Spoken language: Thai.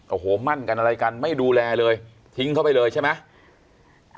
โอ้โหมั่นกันอะไรกันไม่ดูแลเลยทิ้งเข้าไปเลยใช่ไหม